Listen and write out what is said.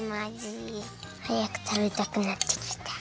はやくたべたくなってきた。